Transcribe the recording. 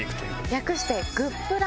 略してグップラ。